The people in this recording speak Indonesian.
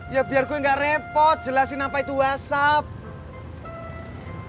ya biar gue gak repot jelasin apa itu whatsapp